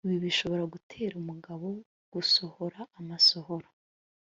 ibi bishobora gutera umugabo gusohora amasohoro